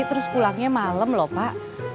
terus pulangnya malam lho pak